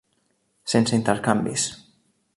Sense intercanvis.